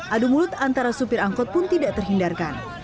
adu mulut antara supir angkot pun tidak terhindarkan